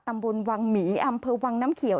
ตำบลวังหมีอำเภอวังน้ำเขียว